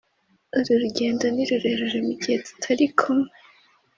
uru rugendo nirurerure mu gihe tutari kumwe